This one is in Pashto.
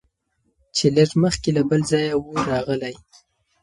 چي لږ مخکي له بل ځایه وو راغلی